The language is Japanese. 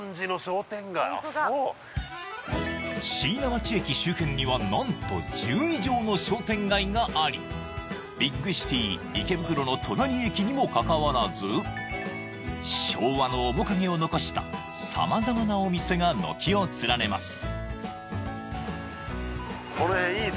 ホントだ椎名町駅周辺には何と１０以上の商店街がありビッグシティー池袋の隣駅にもかかわらず昭和の面影を残した様々なお店が軒を連ねます